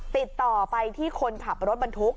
ติดต่อไปที่คนขับรถบรรทุก